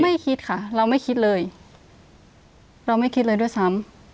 ไม่คิดค่ะเราไม่คิดเลยเราไม่คิดเลยด้วยซ้ำ